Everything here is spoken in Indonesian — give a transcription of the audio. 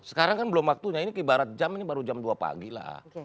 sekarang kan belum waktunya ini ibarat jam ini baru jam dua pagi lah